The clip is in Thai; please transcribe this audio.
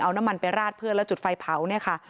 เอาน้ำมันไปราดเพื่อนแล้วจุดไฟเผาเนี่ยค่ะ